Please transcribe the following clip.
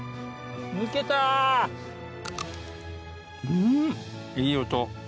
うんいい音！